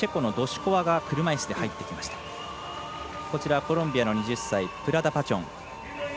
コロンビアの２０歳プラダパチョン。